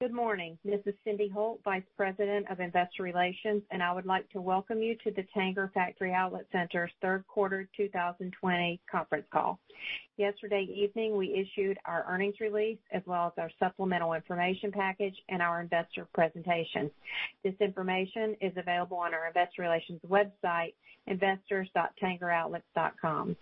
Good morning. This is Cyndi Holt, Vice President of Investor Relations, and I would like to welcome you to the Tanger Factory Outlet Centers' third quarter 2020 conference call. Yesterday evening, we issued our earnings release, as well as our supplemental information package and our investor presentation. This information is available on our investor relations website, investors.tangeroutlets.com.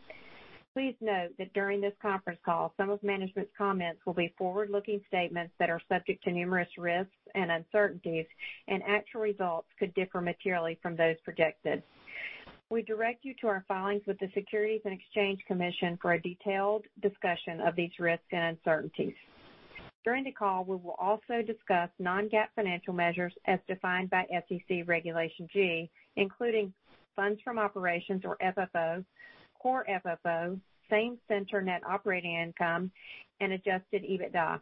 Please note that during this conference call, some of management's comments will be forward-looking statements that are subject to numerous risks and uncertainties, and actual results could differ materially from those projected. We direct you to our filings with the Securities and Exchange Commission for a detailed discussion of these risks and uncertainties. During the call, we will also discuss non-GAAP financial measures as defined by SEC Regulation G, including funds from operations or FFO, core FFO, same-center net operating income, and Adjusted EBITDA.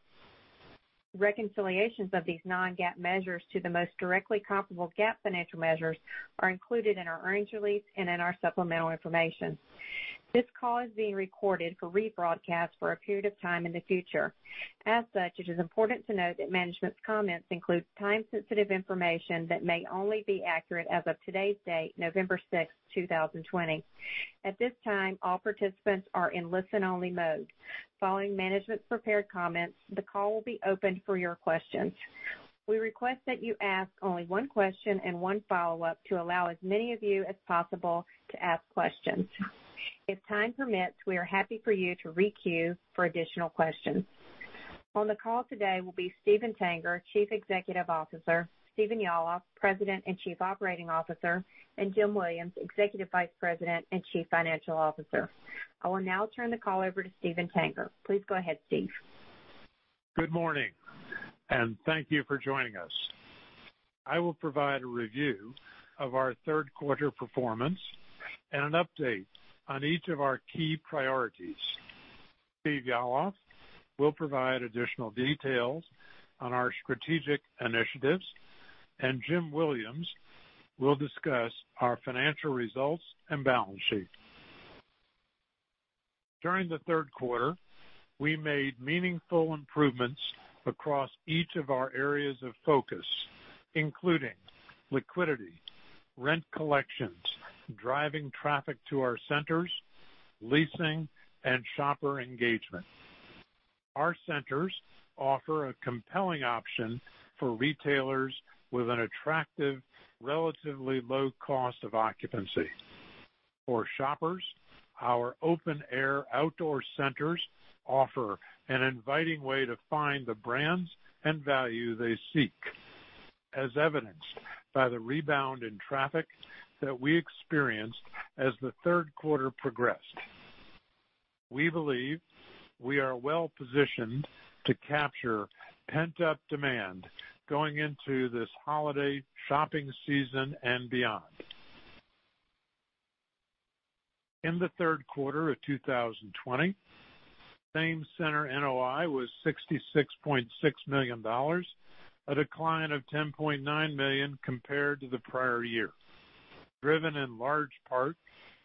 Reconciliations of these non-GAAP measures to the most directly comparable GAAP financial measures are included in our earnings release and in our supplemental information. This call is being recorded for rebroadcast for a period of time in the future. As such, it is important to note that management's comments include time-sensitive information that may only be accurate as of today's date, November 6th, 2020. At this time, all participants are in listen-only mode. Following management's prepared comments, the call will be opened for your questions. We request that you ask only one question and one follow-up to allow as many of you as possible to ask questions. If time permits, we are happy for you to re-queue for additional questions. On the call today will be Steven Tanger, Chief Executive Officer, Stephen Yalof, President and Chief Operating Officer, and Jim Williams, Executive Vice President and Chief Financial Officer. I will now turn the call over to Steven Tanger. Please go ahead, Steve. Good morning, and thank you for joining us. I will provide a review of our third-quarter performance and an update on each of our key priorities. Steve Yalof will provide additional details on our strategic initiatives, and Jim Williams will discuss our financial results and balance sheet. During the third quarter, we made meaningful improvements across each of our areas of focus, including liquidity, rent collections, driving traffic to our centers, leasing, and shopper engagement. Our centers offer a compelling option for retailers with an attractive, relatively low cost of occupancy. For shoppers, our open-air outlet centers offer an inviting way to find the brands and value they seek, as evidenced by the rebound in traffic that we experienced as the third quarter progressed. We believe we are well-positioned to capture pent-up demand going into this holiday shopping season and beyond. In the third quarter of 2020, same-center NOI was $66.6 million, a decline of $10.9 million compared to the prior year, driven in large part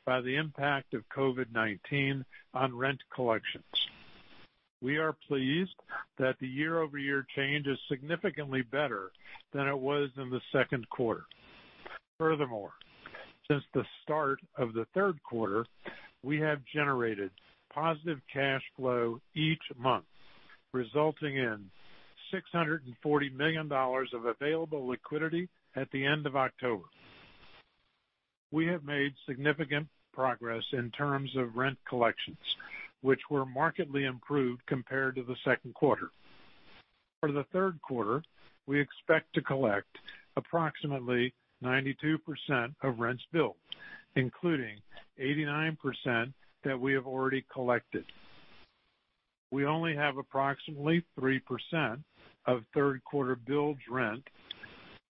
by the impact of COVID-19 on rent collections. We are pleased that the year-over-year change is significantly better than it was in the second quarter. Furthermore, since the start of the third quarter, we have generated positive cash flow each month, resulting in $640 million of available liquidity at the end of October. We have made significant progress in terms of rent collections, which were markedly improved compared to the second quarter. For the third quarter, we expect to collect approximately 92% of rents billed, including 89% that we have already collected. We only have approximately 3% of third-quarter billed rent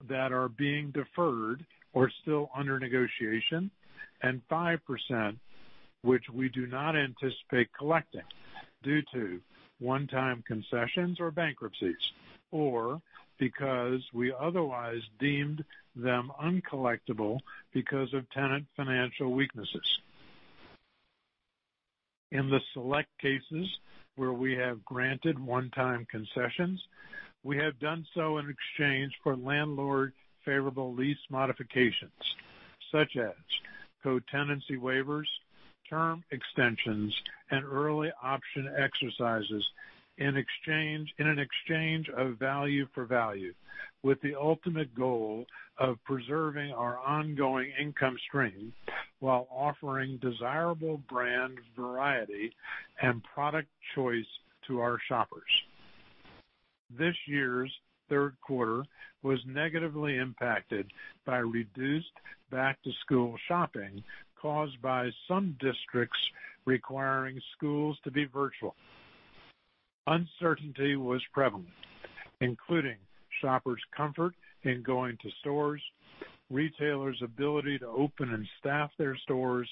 that is being deferred or still under negotiation, and 5%, which we do not anticipate collecting due to one-time concessions or bankruptcies, or because we otherwise deemed them uncollectible due to tenant financial weaknesses. In the select cases where we have granted one-time concessions, we have done so in exchange for landlord-favorable lease modifications, such as co-tenancy waivers, term extensions, and early option exercises in an exchange of value for value, with the ultimate goal of preserving our ongoing income stream while offering desirable brand variety and product choice to our shoppers. This year's third quarter was negatively impacted by reduced back-to-school shopping caused by some districts requiring schools to be virtual. Uncertainty was prevalent, including shoppers' comfort in going to stores, retailers' ability to open and staff their stores,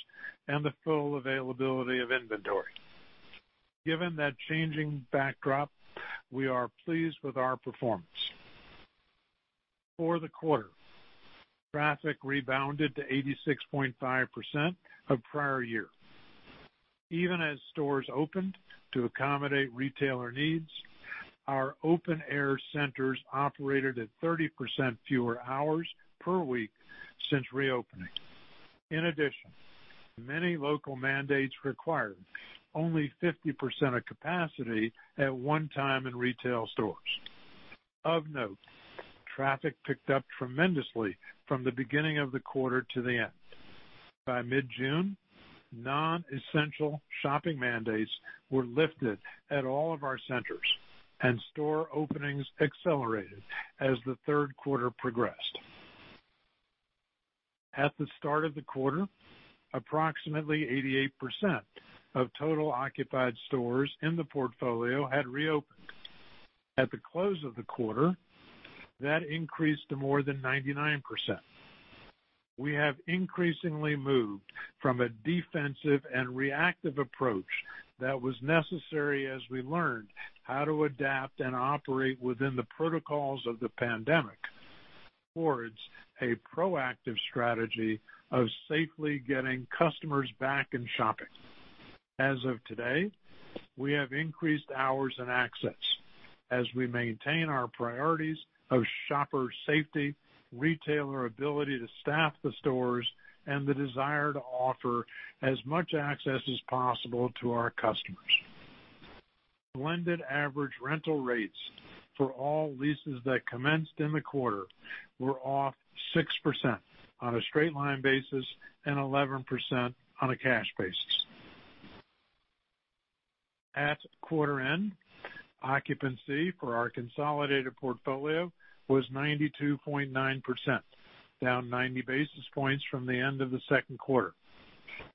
and the full availability of inventory. Given that changing backdrop, we are pleased with our performance. For the quarter, traffic rebounded to 86.5% of the prior year. Even as stores opened to accommodate retailer needs, our open-air centers have operated at 30% fewer hours per week since reopening. In addition, many local mandates required only 50% of capacity at one time in retail stores. Of note, traffic picked up tremendously from the beginning of the quarter to the end. By mid-June, non-essential shopping mandates were lifted at all of our centers, and store openings accelerated as the third quarter progressed. At the start of the quarter, approximately 88% of total occupied stores in the portfolio had reopened. At the close of the quarter, that increased to more than 99%. We have increasingly moved from a defensive and reactive approach that was necessary as we learned how to adapt and operate within the protocols of the pandemic, towards a proactive strategy of safely getting customers back and shopping. As of today, we have increased hours and access as we maintain our priorities of shopper safety, retailer ability to staff the stores, and the desire to offer as much access as possible to our customers. Blended average rental rates for all leases that commenced in the quarter were off 6% on a straight-line basis and 11% on a cash basis. At quarter-end, occupancy for our consolidated portfolio was 92.9%, down 90 basis points from the end of the second quarter,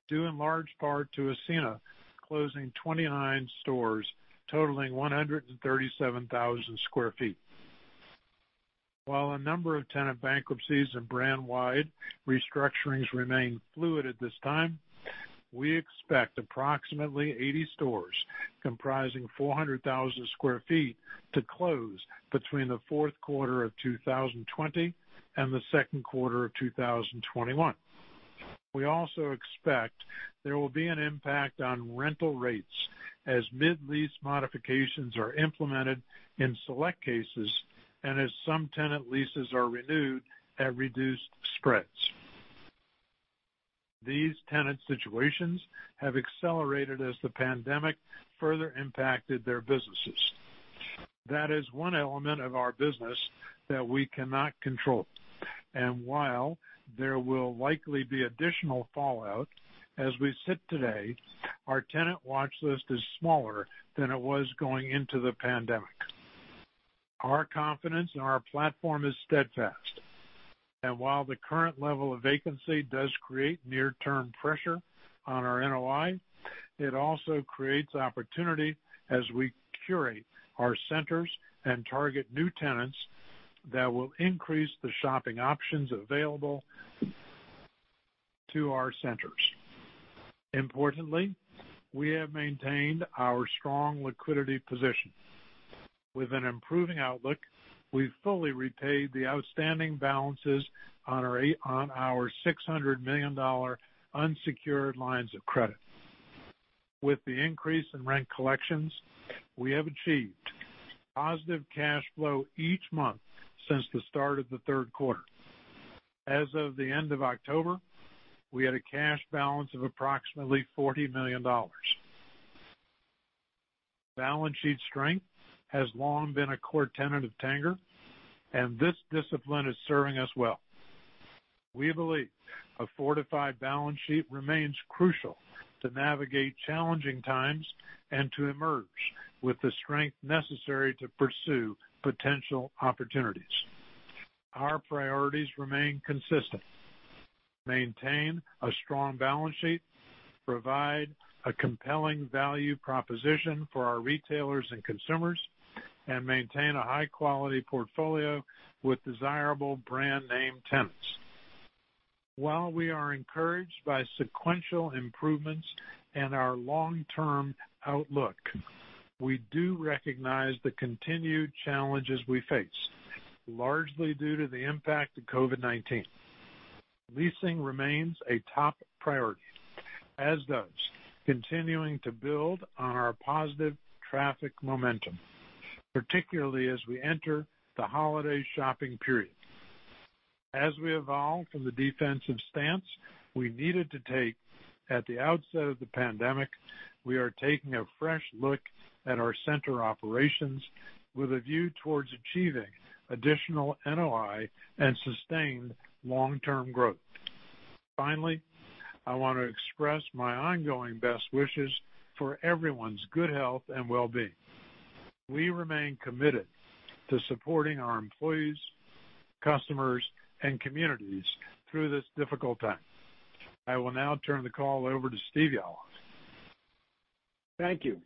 due in large part to Ascena closing 29 stores totaling 137,000 sq ft. While several tenant bankruptcies and brand-wide restructurings remain fluid at this time, we expect approximately 80 stores comprising 400,000 sq ft to close between the fourth quarter of 2020 and the second quarter of 2021. We also expect there will be an impact on rental rates as mid-lease modifications are implemented in select cases and as some tenant leases are renewed at reduced spreads. These tenant situations have accelerated as the pandemic further impacted their businesses. That is one element of our business that we cannot control. While there will likely be additional fallout, as we sit today, our tenant watch list is smaller than it was going into the pandemic. Our confidence in our platform is steadfast, and while the current level of vacancy does create near-term pressure on our NOI, it also creates opportunity as we curate our centers and target new tenants that will increase the shopping options available to our centers. Importantly, we have maintained our strong liquidity position. With an improving outlook, we've fully repaid the outstanding balances on our $600 million unsecured lines of credit. With the increase in rent collections, we have achieved positive cash flow each month since the start of the third quarter. As of the end of October, we had a cash balance of approximately $40 million. Balance sheet strength has long been a core tenet of Tanger, and this discipline is serving us well. We believe a fortified balance sheet remains crucial to navigate challenging times and to emerge with the strength necessary to pursue potential opportunities. Our priorities remain consistent. Maintain a strong balance sheet, provide a compelling value proposition for our retailers and consumers, and maintain a high-quality portfolio with desirable brand-name tenants. While we are encouraged by sequential improvements and our long-term outlook, we do recognize the continued challenges we face, largely due to the impact of COVID-19. Leasing remains a top priority, as does continuing to build on our positive traffic momentum, particularly as we enter the holiday shopping period. As we evolve from the defensive stance we needed to take at the outset of the pandemic, we are taking a fresh look at our center operations with a view towards achieving additional NOI and sustained long-term growth. Finally, I want to express my ongoing best wishes for everyone's good health and well-being. We remain committed to supporting our employees, customers, and communities through this difficult time. I will now turn the call over to Steve Yalof. Thank you.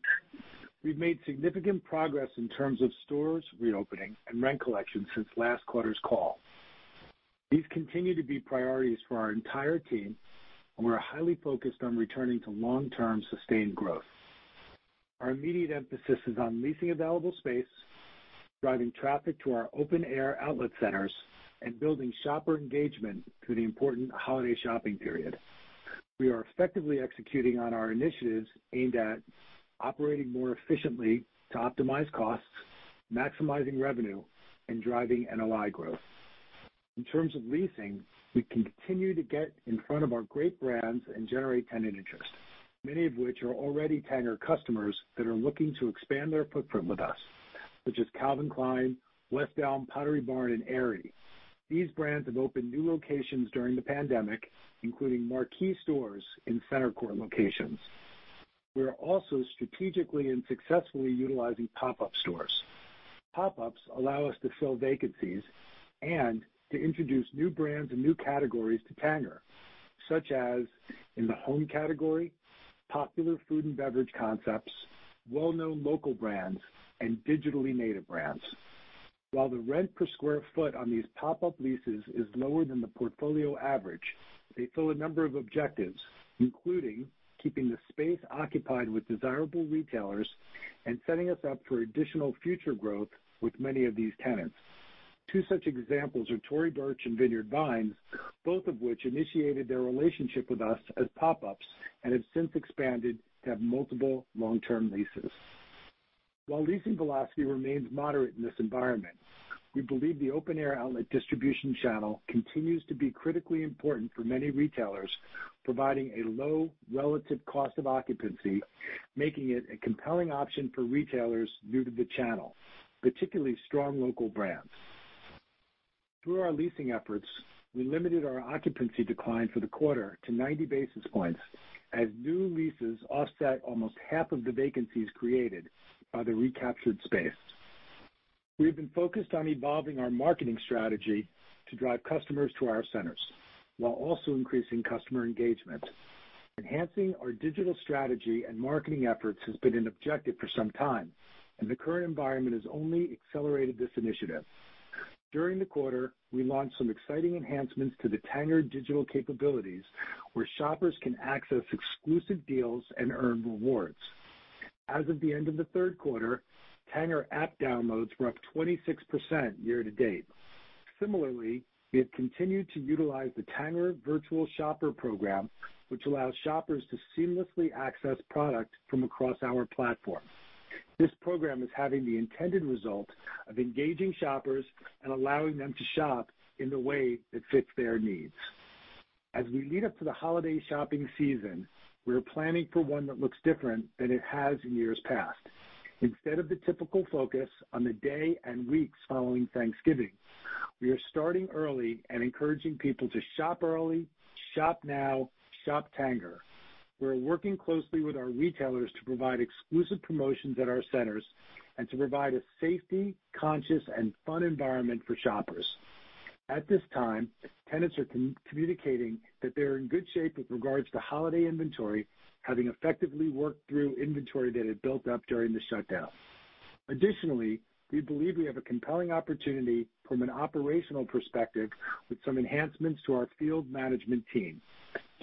We've made significant progress in terms of stores reopening and rent collection since last quarter's call. These continue to be priorities for our entire team, and we're highly focused on returning to long-term sustained growth. Our immediate emphasis is on leasing available space, driving traffic to our open-air outlet centers, and building shopper engagement through the important holiday shopping period. We are effectively executing on our initiatives aimed at operating more efficiently to optimize costs, maximizing revenue, and driving NOI growth. In terms of leasing, we continue to get in front of our great brands and generate tenant interest, many of which are already Tanger customers that are looking to expand their footprint with us, such as Calvin Klein, West Elm, Pottery Barn, and Aerie. These brands have opened new locations during the pandemic, including marquee stores in center court locations. We are also strategically and successfully utilizing pop-up stores. Pop-ups allow us to fill vacancies and to introduce new brands and new categories to Tanger, such as in the home category, popular food and beverage concepts, well-known local brands, and digitally native brands. While the rent per square foot on these pop-up leases is lower than the portfolio average, they fill a number of objectives, including keeping the space occupied with desirable retailers and setting us up for additional future growth with many of these tenants. Two such examples are Tory Burch and Vineyard Vines, both of which initiated their relationship with us as pop-ups and have since expanded to have multiple long-term leases. While leasing velocity remains moderate in this environment, we believe the open-air outlet distribution channel continues to be critically important for many retailers, providing a low relative cost of occupancy, making it a compelling option for retailers new to the channel, particularly strong local brands. Through our leasing efforts, we limited our occupancy decline for the quarter to 90 basis points as new leases offset almost half of the vacancies created by the recaptured space. We've been focused on evolving our marketing strategy to drive customers to our centers while also increasing customer engagement. Enhancing our digital strategy and marketing efforts has been an objective for some time, and the current environment has only accelerated this initiative. During the quarter, we launched some exciting enhancements to the Tanger digital capabilities, where shoppers can access exclusive deals and earn rewards. As of the end of the third quarter, Tanger App downloads were up 26% year-to-date. Similarly, we have continued to utilize the Tanger Virtual Shopper program, which allows shoppers to seamlessly access products from across our platform. This program is having the intended result of engaging shoppers and allowing them to shop in the way that fits their needs. As we lead up to the holiday shopping season, we are planning for one that looks different from what it has in years past. Instead of the typical focus on the day and weeks following Thanksgiving, we are starting early and encouraging people to shop early, shop now, shop Tanger. We are working closely with our retailers to provide exclusive promotions at our centers and to provide a safety-conscious and fun environment for shoppers. At this time, tenants are communicating that they're in good shape with regard to holiday inventory, having effectively worked through inventory that had built up during the shutdown. We believe we have a compelling opportunity from an operational perspective with some enhancements to our field management team.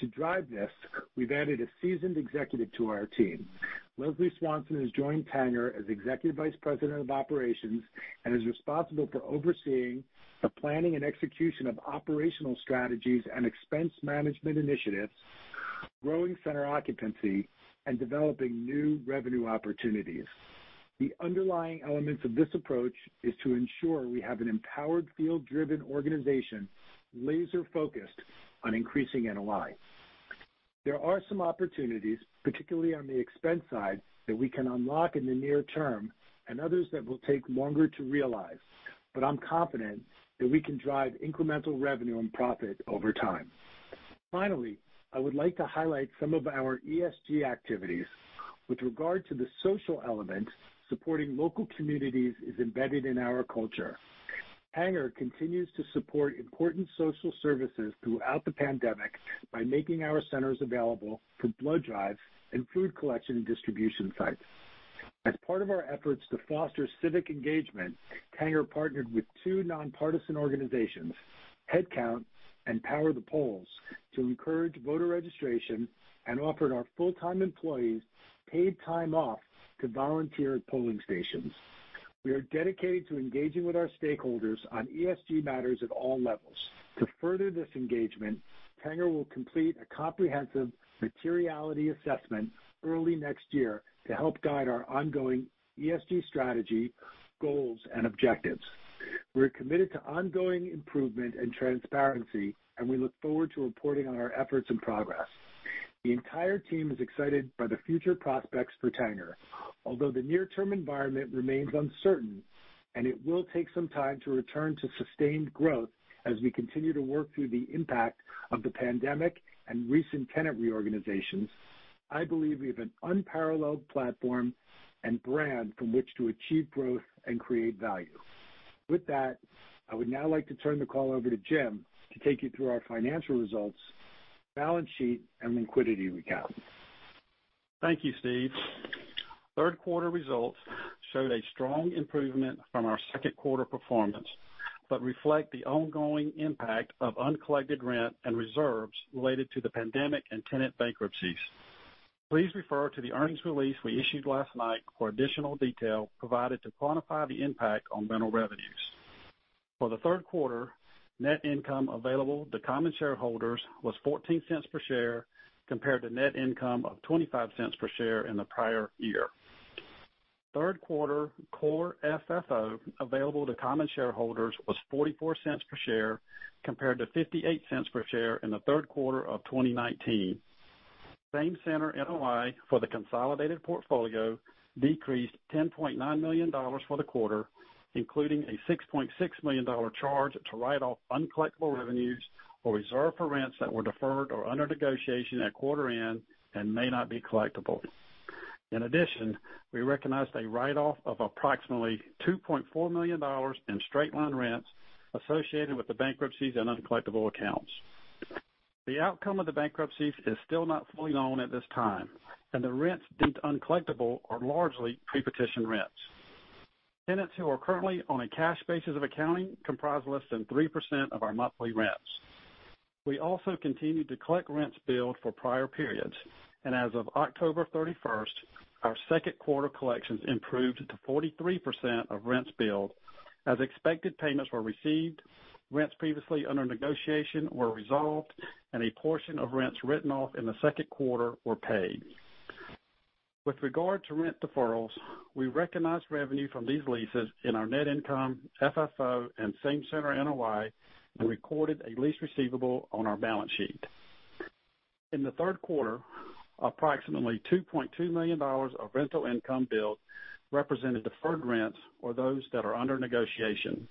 To drive this, we've added a seasoned executive to our team. Leslie Swanson has joined Tanger as Executive Vice President of Operations and is responsible for overseeing the planning and execution of operational strategies and expense management initiatives, growing center occupancy, and developing new revenue opportunities. The underlying elements of this approach are to ensure we have an empowered, field-driven organization laser-focused on increasing NOI. There are some opportunities, particularly on the expense side, that we can unlock in the near term and others that will take longer to realize, but I'm confident that we can drive incremental revenue and profit over time. Finally, I would like to highlight some of our ESG activities. With regard to the social element, supporting local communities is embedded in our culture. Tanger continues to support important social services throughout the pandemic by making our centers available for blood drives and food collection and distribution sites. As part of our efforts to foster civic engagement, Tanger partnered with two nonpartisan organizations, HeadCount and Power the Polls, to encourage voter registration and offered our full-time employees paid time off to volunteer at polling stations. We are dedicated to engaging with our stakeholders on ESG matters at all levels. To further this engagement, Tanger will complete a comprehensive materiality assessment early next year to help guide our ongoing ESG strategy, goals, and objectives. We're committed to ongoing improvement and transparency, and we look forward to reporting on our efforts and progress. The entire team is excited by the future prospects for Tanger. Although the near-term environment remains uncertain, and it will take some time to return to sustained growth as we continue to work through the impact of the pandemic and recent tenant reorganizations, I believe we have an unparalleled platform and brand from which to achieve growth and create value. With that, I would now like to turn the call over to Jim to take you through our financial results, balance sheet, and liquidity recap. Thank you, Steve. Third quarter results showed a strong improvement from our second quarter performance. Reflect the ongoing impact of uncollected rent and reserves related to the pandemic and tenant bankruptcies. Please refer to the earnings release we issued last night for additional details provided to quantify the impact on rental revenues. For the third quarter, net income available to common shareholders was $0.14 per share, compared to net income of $0.25 per share in the prior year. Third-quarter core FFO available to common shareholders was $0.44 per share, compared to $0.58 per share in the third quarter of 2019. Same-center NOI for the consolidated portfolio decreased by $10.9 million for the quarter, including a $6.6 million charge to write off uncollectible revenues or reserve for rents that were deferred or under negotiation at quarter-end and may not be collectible. In addition, we recognized a write-off of approximately $2.4 million in straight-line rents associated with the bankruptcies and uncollectible accounts. The outcome of the bankruptcies is still not fully known at this time. The rents deemed uncollectible are largely pre-petition rents. Tenants who are currently on a cash basis of accounting comprise less than 3% of our monthly rents. We also continued to collect rents billed for prior periods. As of October 31st, our second quarter collections improved to 43% of rents billed, as expected payments were received, rents previously under negotiation were resolved, and a portion of rents written off in the second quarter were paid. With regard to rent deferrals, we recognized revenue from these leases in our net income, FFO, and same-center NOI and recorded a lease receivable on our balance sheet. In the third quarter, approximately $2.2 million of rental income billed represented deferred rents or those that are under negotiation.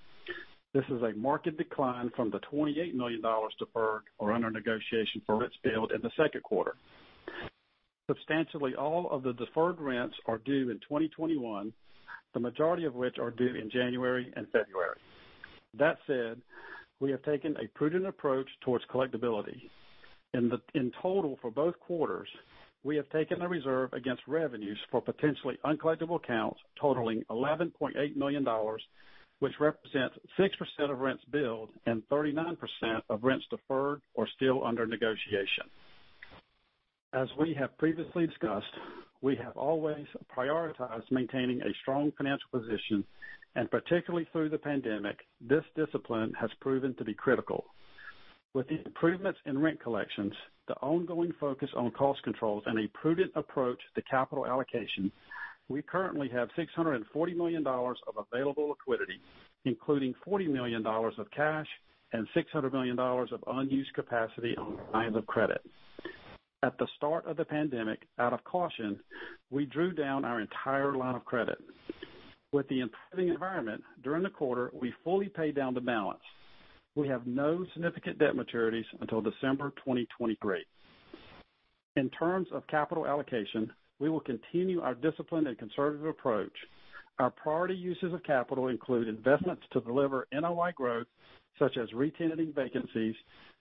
This is a market decline from the $28 million deferred or under negotiation for rents billed in the second quarter. Substantially all of the deferred rents are due in 2021, the majority of which are due in January and February. That said, we have taken a prudent approach towards collectability. In total for both quarters, we have taken a reserve against revenues for potentially uncollectible accounts totaling $11.8 million, which represents 6% of rents billed and 39% of rents deferred or still under negotiation. As we have previously discussed, we have always prioritized maintaining a strong financial position, and particularly through the pandemic, this discipline has proven to be critical. With the improvements in rent collections, the ongoing focus on cost controls, and a prudent approach to capital allocation, we currently have $640 million of available liquidity, including $40 million of cash and $600 million of unused capacity on lines of credit. At the start of the pandemic, out of caution, we drew down our entire line of credit. With the improving environment during the quarter, we fully paid down the balance. We have no significant debt maturities until December 2023. In terms of capital allocation, we will continue our disciplined and conservative approach. Our priority uses of capital include investments to deliver NOI growth, such as re-tenanting vacancies,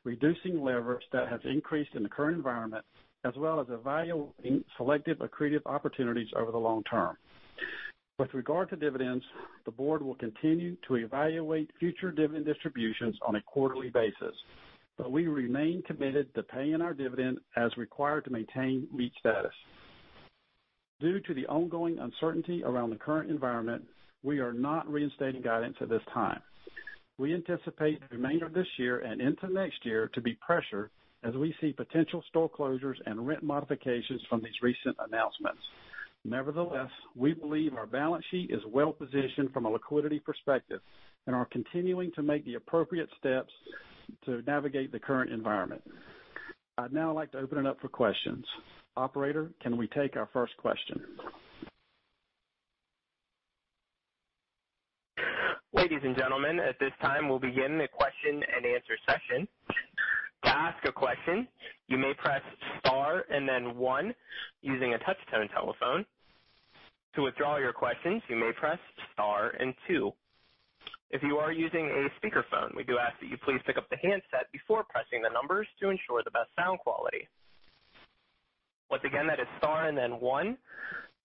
reducing leverage that has increased in the current environment, as well as evaluating selective accretive opportunities over the long term. With regard to dividends, the board will continue to evaluate future dividend distributions on a quarterly basis, but we remain committed to paying our dividend as required to maintain REIT status. Due to the ongoing uncertainty around the current environment, we are not reinstating guidance at this time. We anticipate the remainder of this year and into next year to be pressured as we see potential store closures and rent modifications from these recent announcements. Nevertheless, we believe our balance sheet is well-positioned from a liquidity perspective and are continuing to make the appropriate steps to navigate the current environment. I'd now like to open it up for questions. Operator, can we take our first question? Ladies and gentlemen, at this time we'll begin the question-and-answer session. To ask your question, you may press star and then one you may attach to your telephone. To withdraw your question, you may press star and two. If you are using a speakerphone, would you ask to please to pick up the handset before pressing the number for the best sound quality? Once again, press star and then one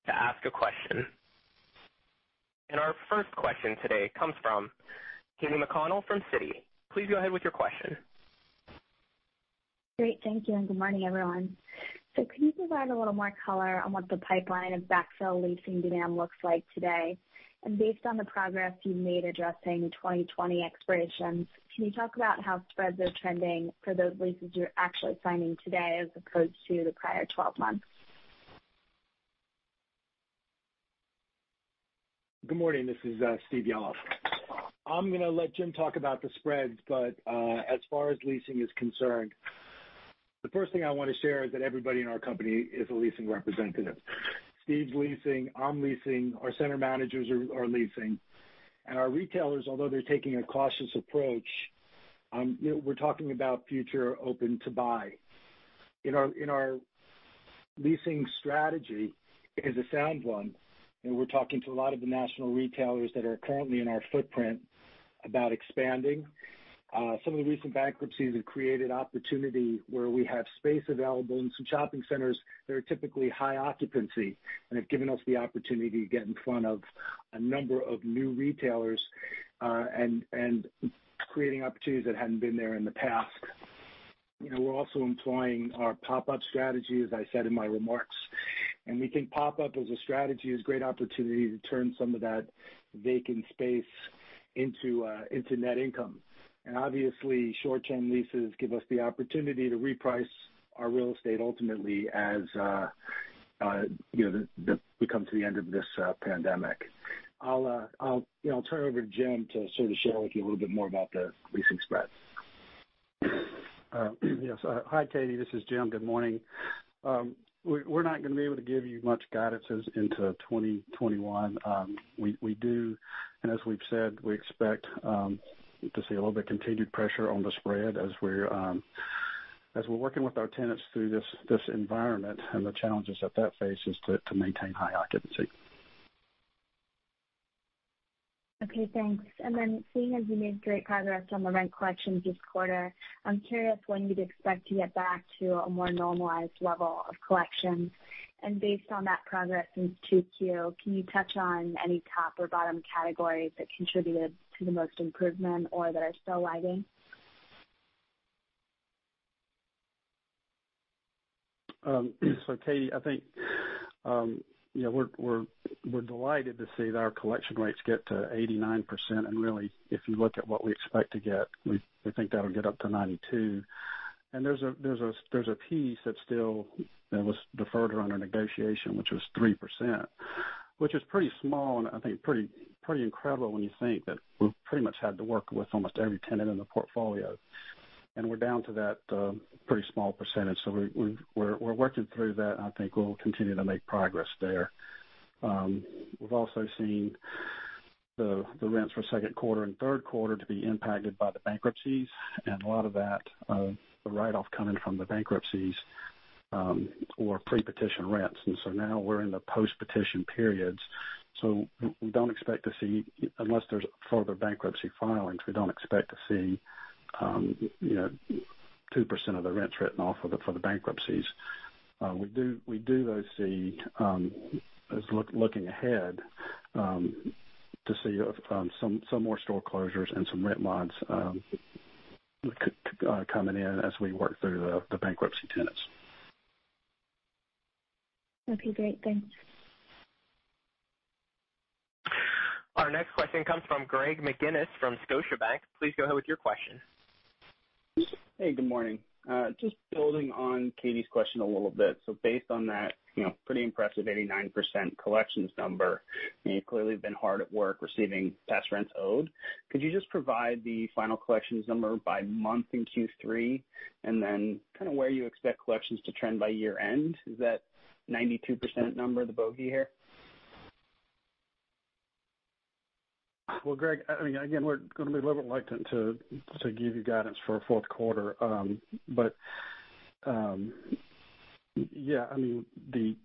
to ask your question. Our first question today comes from Katy McConnell from Citi. Please go ahead with your question. Great. Thank you, and good morning, everyone. Could you provide a little more color on what the pipeline of backfill leasing demand looks like today? Based on the progress you made addressing 2020 expirations, can you talk about how spreads are trending for those leases you're actually signing today as opposed to the prior 12 months? Good morning. This is Steve Yalof. I'm going to let Jim talk about the spreads, but, as far as leasing is concerned, the first thing I want to share is that everybody in our company is a leasing representative. Steve's leasing. I'm leasing. Our center managers are leasing. Our retailers, although they're taking a cautious approach, are talking about future open-to-buy. Our leasing strategy is a sound one, and we're talking to a lot of the national retailers that are currently in our footprint about expanding. Some of the recent bankruptcies have created opportunities where we have space available in some shopping centers that are typically high occupancy and have given us the opportunity to get in front of a number of new retailers, creating opportunities that hadn't been there in the past. We're also employing our pop-up strategy, as I said in my remarks, and we think pop-up as a strategy is a great opportunity to turn some of that vacant space into net income. Obviously, short-term leases give us the opportunity to reprice our real estate ultimately as we come to the end of this pandemic. I'll turn it over to Jim to sort of share with you a little bit more about the leasing spread. Yes. Hi, Katy. This is Jim. Good morning. We're not going to be able to give you much guidance into 2021. We do, and as we've said, we expect to see a little bit of continued pressure on the spread as we're working with our tenants through this environment and the challenges that it faces to maintain high occupancy. Okay, thanks. Seeing as you made great progress on the rent collections this quarter, I'm curious when you'd expect to get back to a more normalized level of collections. Based on that progress in 2Q, can you touch on any top or bottom categories that contributed the most to the improvement or that are still lagging? Katy, I think we're delighted to see that our collection rates get to 89%. Really, if you look at what we expect to get, we think that'll get up to 92%. There's a piece that was deferred under negotiation, which was 3%, which is pretty small, and I think pretty incredible when you think that we've pretty much had to work with almost every tenant in the portfolio, and we're down to that pretty small percentage. We're working through that, and I think we'll continue to make progress there. We've also seen the rents for the second quarter and third quarter to be impacted by the bankruptcies, and a lot of that, the write-off coming from the bankruptcies, was pre-petition rents. Now we're in the post-petition period, so unless there's further bankruptcy filings, we don't expect to see 2% of the rents written off for the bankruptcies. We do, though, see, looking ahead, to see some more store closures and some rent mods coming in as we work through the bankruptcy tenants. Okay, great. Thanks. Our next question comes from Greg McGinniss from Scotiabank. Please go ahead with your question. Hey, good morning. Just building on Katy's question a little bit. Based on that pretty impressive 89% collection number, you clearly have been hard at work receiving past rents owed. Could you just provide the final collections number by month in Q3, and then kind of where you expect collections to trend by year-end? Is that 92% number the bogey here? Well, Greg, again, we're going to be a little bit reluctant to give you guidance for our fourth quarter. Yeah, the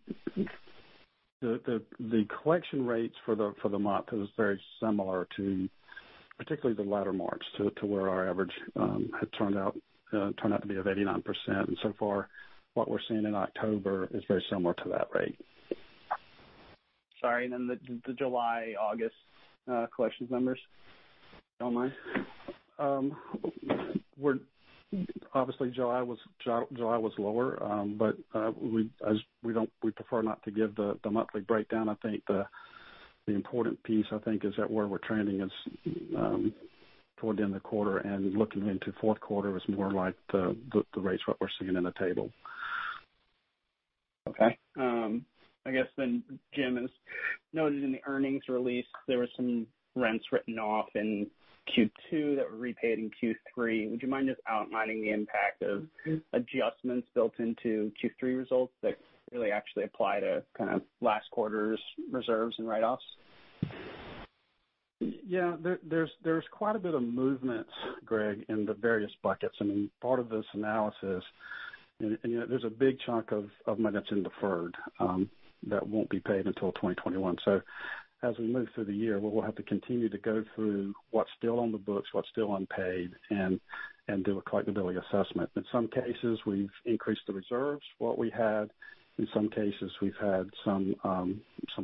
collection rates for the month are very similar, particularly the latter marks to where our average had turned out to be of 89%. So far, what we're seeing in October is very similar to that rate. Sorry, the July and August collection numbers. If you don't mind. Obviously, July was lower, but we prefer not to give the monthly breakdown. I think the important piece is that where we're trending is toward the end of the quarter, and looking into the fourth quarter is more like the rates, what we're seeing in the table. Okay. I guess then, Jim, as noted in the earnings release, there were some rents written off in Q2 that were repaid in Q3. Would you mind just outlining the impact of adjustments built into Q3 results that actually apply to kind of last quarter's reserves and write-offs? Yeah. There's quite a bit of movement, Greg, in the various buckets. Part of this analysis, there's a big chunk of money that's deferred and won't be paid until 2021. As we move through the year, we'll have to continue to go through what's still on the books, what's still unpaid, and do a collectibility assessment. In some cases, we've increased the reserves, what we had. In some cases, we've had some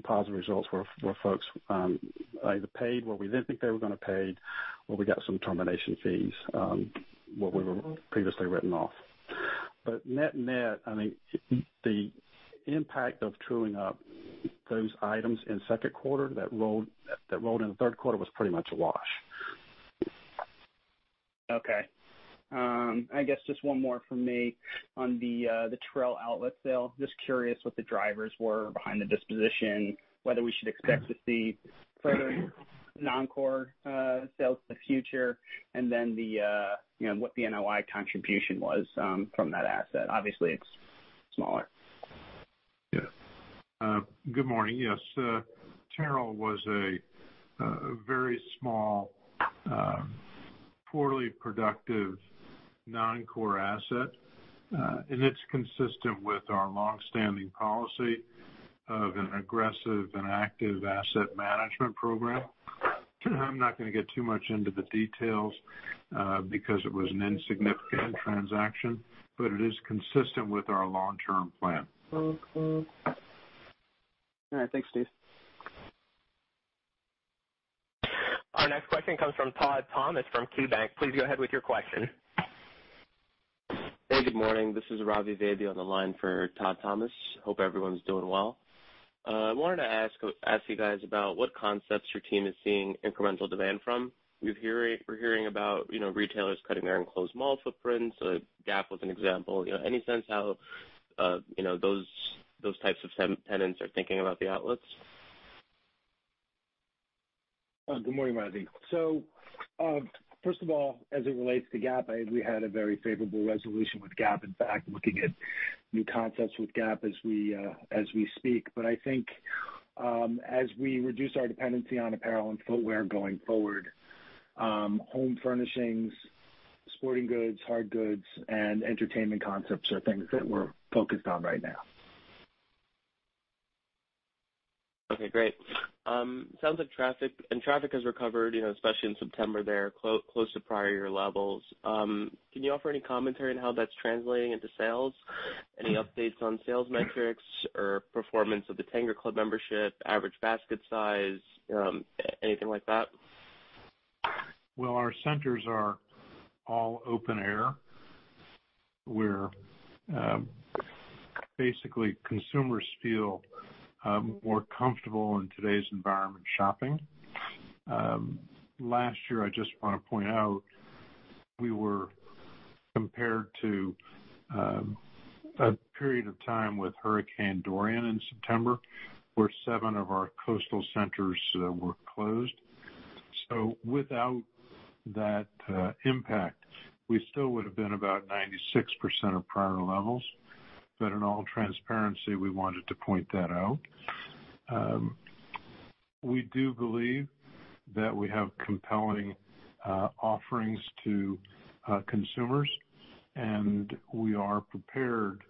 positive results where folks either paid what we didn't think they were going to pay, or we got some termination fees, which were previously written off. Net-net, the impact of truing up those items in the second quarter that rolled into the third quarter was pretty much a wash. I guess just one more from me on the Terrell outlet sale. Just curious what the drivers were behind the disposition, whether we should expect to see further non-core sales in the future, and then what the NOI contribution was from that asset. Obviously, it's smaller. Yeah. Good morning. Yes. Terrell was a very small, poorly productive Non-core asset. It's consistent with our longstanding policy of an aggressive and active asset management program. I'm not going to get too much into the details because it was an insignificant transaction, and it is consistent with our long-term plan. All right, thanks, Steve. Our next question comes from Todd Thomas from KeyBanc. Please go ahead with your question. Hey, good morning. This is Ravi Vaidya on the line for Todd Thomas. Hope everyone's doing well. I wanted to ask you guys about what concepts your team is seeing incremental demand from. We're hearing about retailers cutting their enclosed mall footprints. Gap was an example. Any sense of how those types of tenants are thinking about the outlets? Good morning, Ravi. First of all, as it relates to Gap, we had a very favorable resolution with Gap. In fact, looking at new concepts with Gap as we speak. I think, as we reduce our dependency on apparel and footwear going forward, home furnishings, sporting goods, hard goods, and entertainment concepts are things that we're focused on right now. Okay, great. Sounds like traffic has recovered, especially in September, close to prior-year levels. Can you offer any commentary on how that's translating into sales? Any updates on sales metrics or performance of the Tanger Club membership, average basket size, anything like that? Our centers are all open-air, where basically consumers feel more comfortable in today's environment when shopping. Last year, I just want to point out, we were compared to a period of time with Hurricane Dorian in September, where seven of our coastal centers were closed. Without that impact, we still would've been about 96% of prior levels. In all transparency, we wanted to point that out. We do believe that we have compelling offerings to consumers, and we are prepared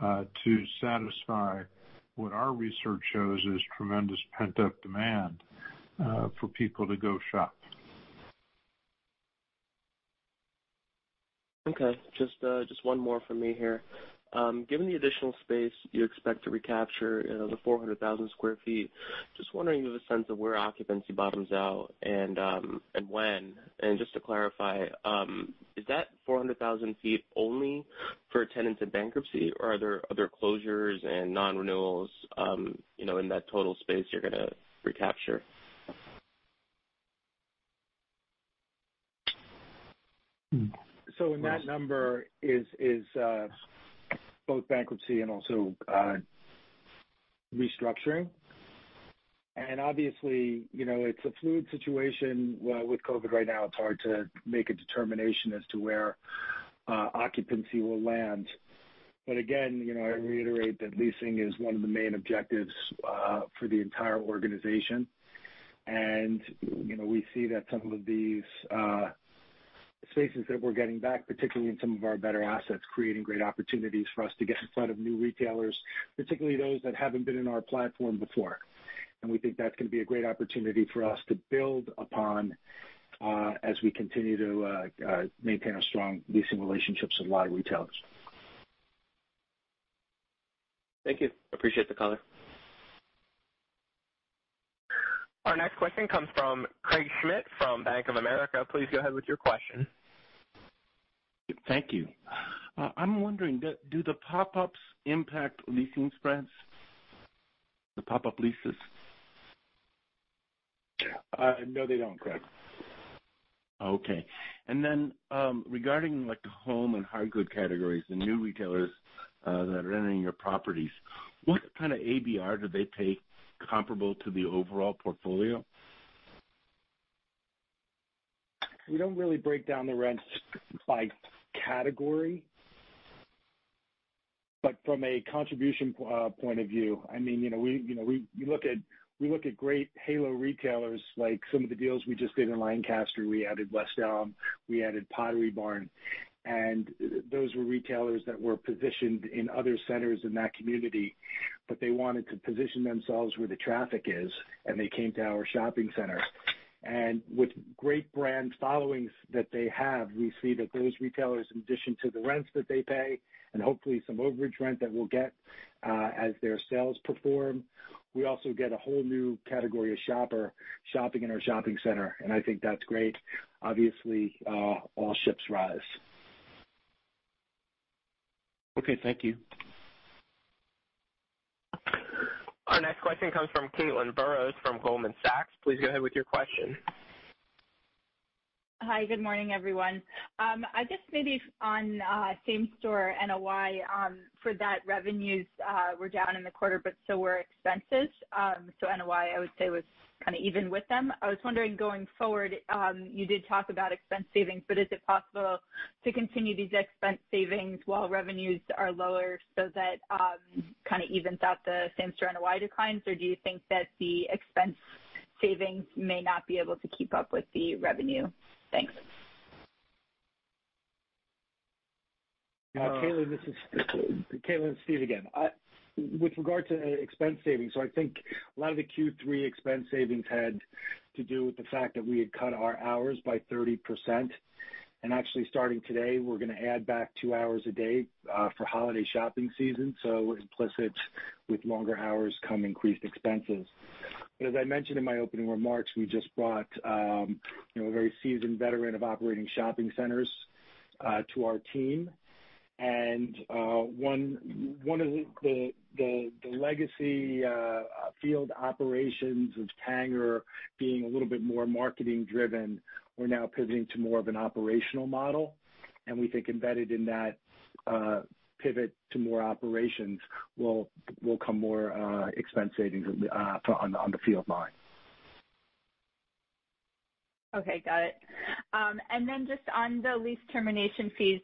to satisfy what our research shows is tremendous pent-up demand for people to go shopping. Okay. Just one more from me here. Given the additional space you expect to recapture, the 400,000 sq ft, just wondering if you have a sense of where occupancy bottoms out and when? Just to clarify, is that 400,000 ft only for tenants in bankruptcy, or are there other closures and non-renewals in that total space you're going to recapture? In that number are both bankruptcy and restructuring. Obviously, it's a fluid situation with COVID right now. It's hard to make a determination as to where occupancy will land. Again, I reiterate that leasing is one of the main objectives for the entire organization. We see that some of these spaces that we're getting back, particularly in some of our better assets, are creating great opportunities for us to get in front of new retailers, particularly those that haven't been on our platform before. We think that's going to be a great opportunity for us to build upon as we continue to maintain our strong leasing relationships with a lot of retailers. Thank you. Appreciate the color. Our next question comes from Craig Schmidt from Bank of America. Please go ahead with your question. Thank you. I'm wondering, do the pop-ups impact leasing spreads? The pop-up leases. No, they don't, Craig. Okay. Regarding the home and hard goods categories, the new retailers that are entering your properties, what kind of ABR do they pay, comparable to the overall portfolio? We don't really break down the rents by category. From a contribution point of view, we look at great halo retailers, like some of the deals we just did in Lancaster. We added West Elm; we added Pottery Barn. Those were retailers that were positioned in other centers in that community, but they wanted to position themselves where the traffic is, and they came to our shopping center. With the great brand followings that they have, we see that those retailers, in addition to the rents that they pay and hopefully some overage rent that we'll get as their sales perform, we also get a whole new category of shoppers shopping in our shopping center, and I think that's great. Obviously, all ships rise. Okay, thank you. Our next question comes from Caitlin Burrows from Goldman Sachs. Please go ahead with your question. Hi, good morning, everyone. I guess maybe on the same store NOI for that revenues were down in the quarter, but so were expenses. NOI, I would say, was kind of even with them. I was wondering, going forward, you did talk about expense savings, but is it possible to continue these expense savings while revenues are lower, so that kind of evens out the same-store NOI declines? Do you think that the expense? May savings not be able to keep up with the revenue? Thanks. Caitlin, this is Steve again. With regard to expense savings, I think a lot of the Q3 expense savings had to do with the fact that we had cut our hours by 30%. Actually, starting today, we're going to add back two hours a day for the holiday shopping season. Implicit with longer hours come increased expenses. As I mentioned in my opening remarks, we just brought a very seasoned veteran of operating shopping centers to our team. One of the legacy field operations of Tanger, being a little bit more marketing-driven, is now pivoting to more of an operational model. We think that embedded in that pivot to more operations will come more expense savings on the field line. Okay. Got it. Then, just on the lease termination fees,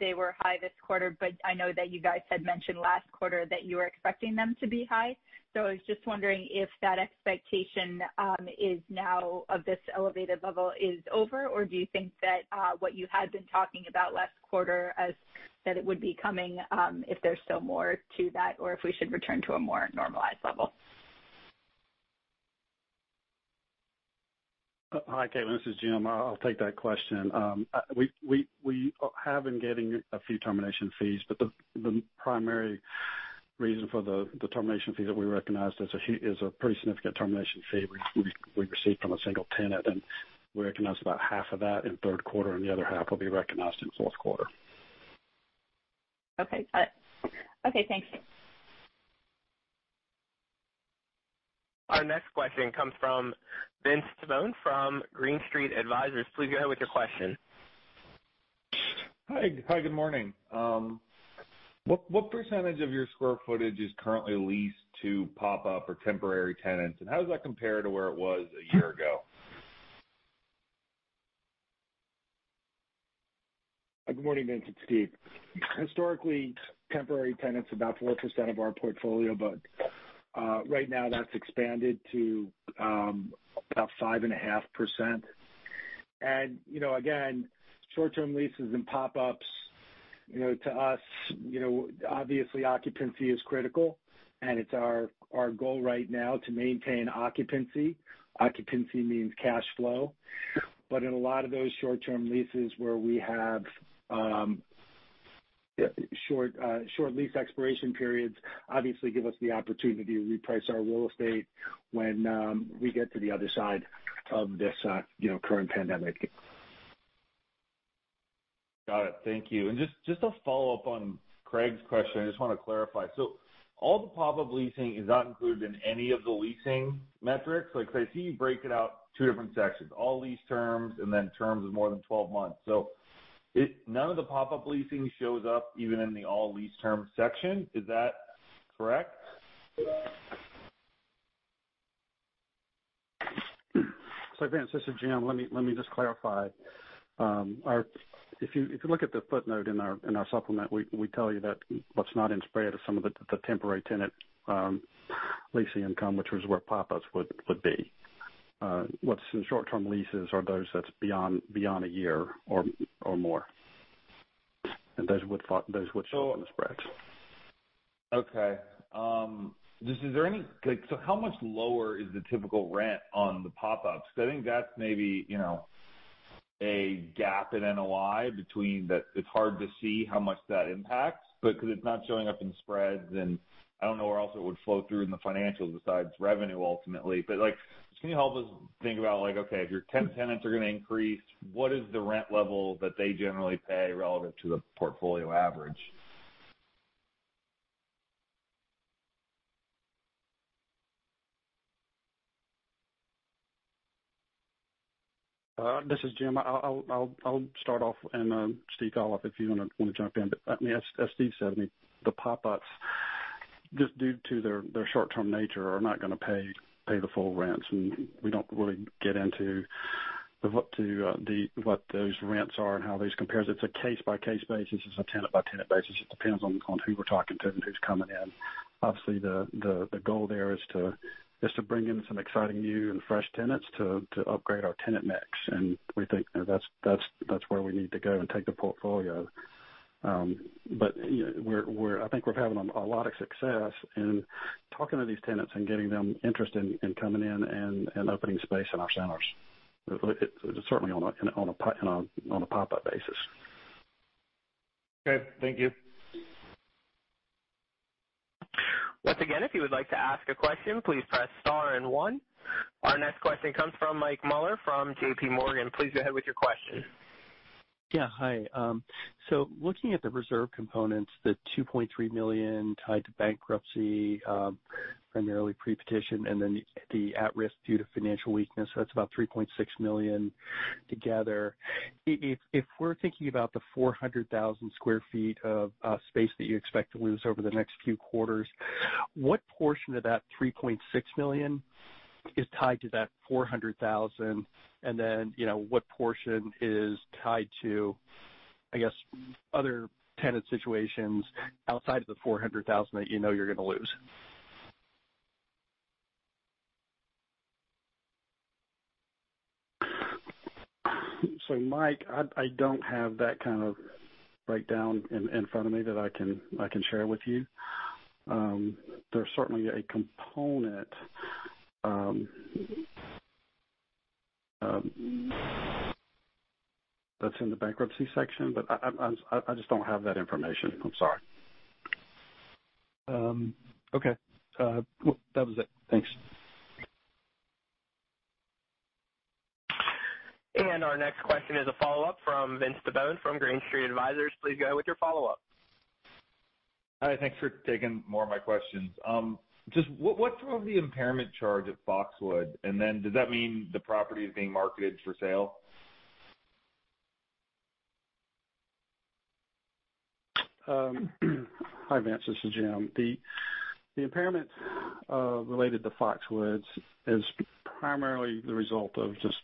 they were high this quarter. I know that you guys had mentioned last quarter that you were expecting them to be high. I was just wondering if that expectation now of this elevated level is over, or do you think that what you had been talking about last quarter- that it would be coming- if there's still more to that, or if we should return to a more normalized level. Hi, Caitlin, this is Jim. I'll take that question. We have been getting a few termination fees, but the primary reason for the termination fee that we recognized is a pretty significant termination fee we received from a single tenant, and we recognized about half of that in the third quarter, and the other half will be recognized in the fourth quarter. Okay. Got it. Okay, thanks. Our next question comes from Vince Tibone from Green Street Advisors. Please go ahead with your question. Hi. Good morning. What percentage of your square footage is currently leased to pop-up or temporary tenants, and how does that compare to where it was a year ago? Good morning, Vince. It's Steve. Historically, temporary tenants are about 4% of our portfolio; right now, that's expanded to about 5.5%. Again, short-term leases and pop-ups, to us, obviously, occupancy is critical, and it's our goal right now to maintain occupancy. Occupancy means cash flow. In a lot of those short-term leases where we have short lease expiration periods, obviously, give us the opportunity to reprice our real estate when we get to the other side of this current pandemic. Got it. Thank you. Just a follow-up on Craig's question, I just want to clarify. Is all the pop-up leasing not included in any of the leasing metrics? Because I see you break it out into two different sections, all lease terms, and then terms of more than 12 months. None of the pop-up leasing shows up even in the All Lease Terms section. Is that correct? Vince, this is Jim. Let me just clarify. If you look at the footnote in our supplement, we tell you that what's not in the spread is some of the temporary tenant leasing income, which was where pop-ups would be. What's in short-term leases are those that are beyond a year or more. Those would fall in the spreads. Okay. How much lower is the typical rent on the pop-ups? Because I think that's maybe a gap in NOI, it's hard to see how much that impacts, but because it's not showing up in spreads, then I don't know where else it would flow through in the financials besides revenue ultimately. Can you help us think about whether your 10 tenants are going to increase, and what the rent level is that they generally pay, relevant to the portfolio average? This is Jim. I'll start off, Steve, I'll let, if you want to jump in. As Steve said, I mean, the pop-ups, just due to their short-term nature, are not going to pay the full rents, and we don't really get into what those rents are and how these compare. It's on a case-by-case basis. It's a tenant-by-tenant basis. It depends on who we're talking to and who's coming in. Obviously, the goal there is to bring in some exciting new and fresh tenants to upgrade our tenant mix, and we think that's where we need to go and take the portfolio. I think we're having a lot of success in talking to these tenants and getting them interested in coming in and opening space in our centers. Certainly on a pop-up basis. Okay. Thank you. Once again, if you would like to ask a question, please press star and one. Our next question comes from Mike Mueller from JPMorgan. Please go ahead with your question. Yeah. Hi. Looking at the reserve components, the $2.3 million tied to bankruptcy, primarily pre-petition, and then the at-risk due to financial weakness, that's about $3.6 million together. If we're thinking about the 400,000 sq ft of space that you expect to lose over the next few quarters, what portion of that $3.6 million is tied to that 400,000 sq ft? What portion is tied to, I guess, other tenant situations outside of the 400,000 sq ft that you know you're going to lose? Mike, I don't have that kind of breakdown in front of me that I can share with you. There's certainly a component that's in the bankruptcy section, but I just don't have that information. I'm sorry. Okay. Well, that was it. Thanks. Our next question is a follow-up from Vince Tibone from Green Street Advisors. Please go with your follow-up. Hi. Thanks for taking more of my questions. Just what drove the impairment charge at Foxwoods? Does that mean the property is being marketed for sale? Hi, Vince, this is Jim. The impairment related to Foxwoods is primarily the result of just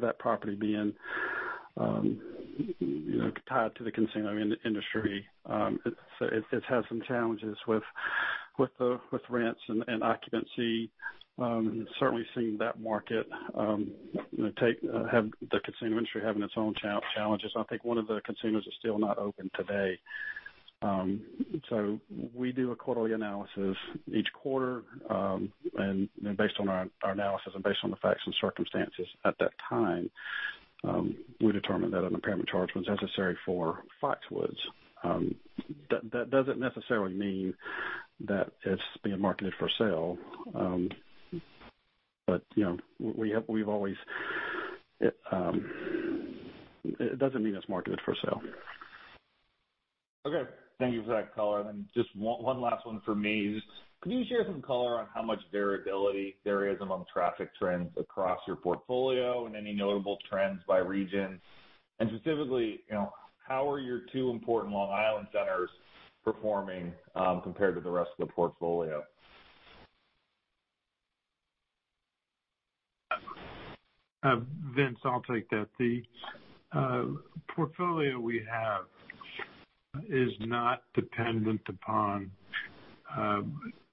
that property being tied to the casino industry. It's had some challenges with rents and occupancy. Certainly seen that market, the casino industry having its own challenges. I think one of the casinos is still not open today. We do a quarterly analysis each quarter, and based on our analysis and based on the facts and circumstances at that time, we determined that an impairment charge was necessary for Foxwoods. That doesn't necessarily mean that it's being marketed for sale. It doesn't mean it's marketed for sale. Okay. Thank you for that color. Just one last one from me is: can you share some color on how much variability there is among traffic trends across your portfolio and any notable trends by region? Specifically, how are your two important Long Island centers performing, compared to the rest of the portfolio? Vince, I'll take that. The portfolio we have is not dependent upon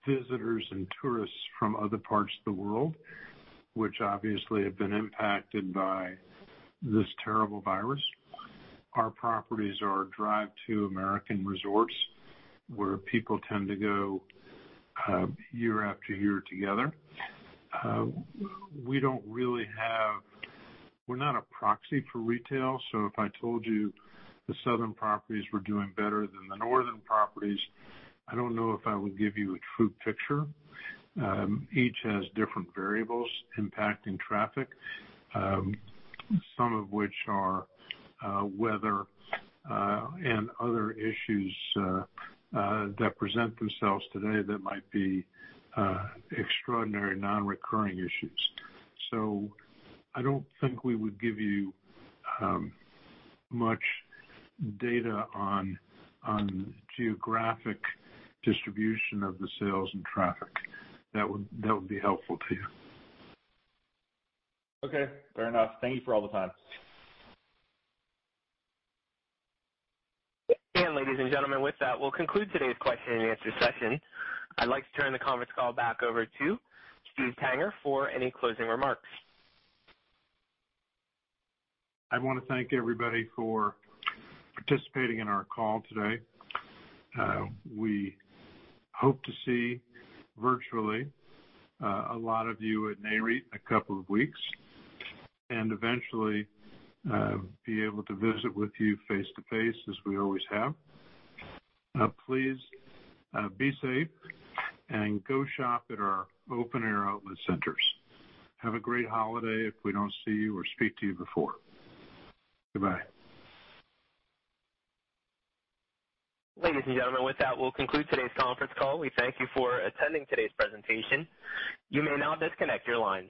visitors and tourists from other parts of the world, which obviously have been impacted by this terrible virus. Our properties are drive-to American resorts where people tend to go year after year together. If I told you the southern properties were doing better than the northern properties, I don't know if I would give you a true picture. Each has different variables impacting traffic, some of which are weather, and other issues that present themselves today that might be extraordinary non-recurring issues. I don't think we would give you much data on the geographic distribution of the sales and traffic that would be helpful to you. Okay, fair enough. Thank you for all the time. Ladies and gentlemen, with that, we'll conclude today's question-and-answer session. I'd like to turn the conference call back over to Steven Tanger for any closing remarks. I want to thank everybody for participating in our call today. We hope to see, virtually, a lot of you at Nareit in a couple of weeks, and eventually, be able to visit with you face-to-face as we always have. Please be safe and go shop at our open-air outlet centers. Have a great holiday if we don't see you or speak to you before. Goodbye. Ladies and gentlemen, with that, we'll conclude today's conference call. We thank you for attending today's presentation. You may now disconnect your lines.